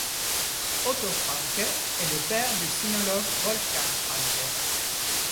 Otto Franke est le père du sinologue Wolfgang Franke.